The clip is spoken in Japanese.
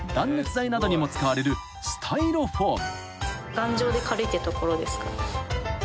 頑丈で軽いってところですか。